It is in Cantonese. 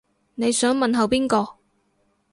你想問候邊個